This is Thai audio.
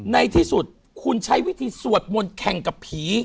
ในที่สุดคุณใช้วิธีสวดมนต์แข่งกับผี